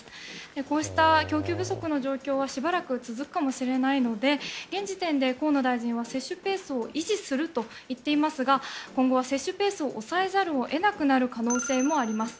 こうした供給不足の状況はしばらく続くかもしれないので現時点で河野大臣は接種ペースを維持すると言っていますが今後は接種ペースを抑えざるを得なくなる可能性もあります。